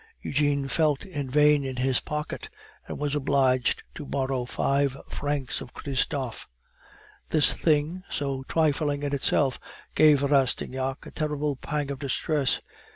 Eugene felt in vain in his pocket, and was obliged to borrow five francs of Christophe. This thing, so trifling in itself, gave Rastignac a terrible pang of distress.